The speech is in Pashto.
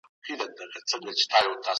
تاسو بايد د پوهي په رڼا کي خپل هدف وټاکئ.